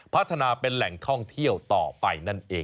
พัฒนาเป็นแหล่งท่องเที่ยวต่อไป